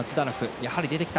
やはり出てきた。